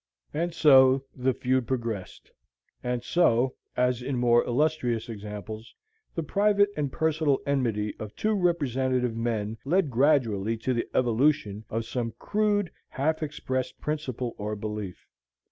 And so the feud progressed; and so, as in more illustrious examples, the private and personal enmity of two representative men led gradually to the evolution of some crude, half expressed principle or belief.